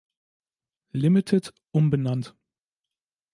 Ltd umbenannt.